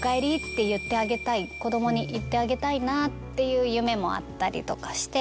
子供に言ってあげたいなっていう夢もあったりとかして。